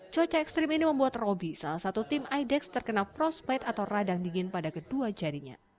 cuaca ekstrim ini membuat roby salah satu tim idex terkena frostpite atau radang dingin pada kedua jarinya